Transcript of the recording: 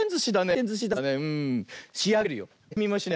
しあげるよ！